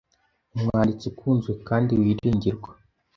umwanditsi ukunzwe kandi wiringirwa